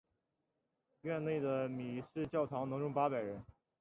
院内的米市教堂能容八百人。